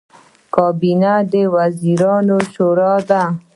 کابینه د وزیرانو شورا ده